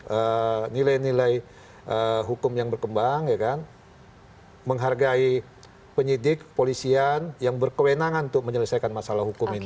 dengan nilai nilai hukum yang berkembang ya kan menghargai penyidik polisian yang berkewenangan untuk menyelesaikan masalah hukum ini